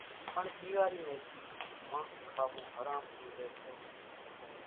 پڻ ۮيواري ني ۮِي مانۿ کاوون حرام ۿمزي سي